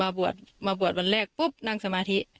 บวชมาบวชวันแรกปุ๊บนั่งสมาธิ